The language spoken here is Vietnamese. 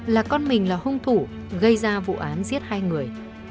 là con mình là hung thủ gây ra vụ án giết hai người